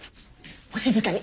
お静かに。